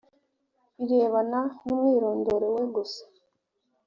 birebana n umwirondoro we gusa